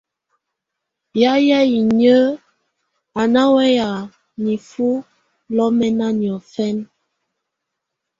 Yayɛ̀á inyǝ́ á ná wɛ́ya nifuǝ́ lɔ́mɛna niɔfɛna.